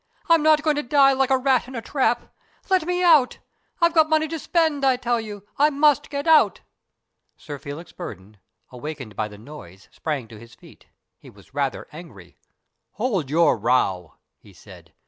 I'm not going to die like a rat in a trap. Let me out. I've got money to spend, I tell you. I must get out." Sir Felix Burdon, awakened by the noise, sprang to his feet. He was rather angry. " Hold your row," he said.